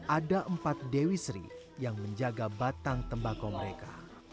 ada empat dewi sri yang menjaga batang tembakau mereka